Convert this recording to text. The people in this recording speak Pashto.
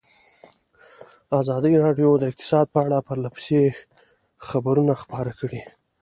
ازادي راډیو د اقتصاد په اړه پرله پسې خبرونه خپاره کړي.